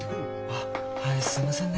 あはいすいませんね。